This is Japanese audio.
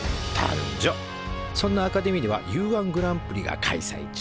そんなアカデミーではＵー１グランプリが開催中。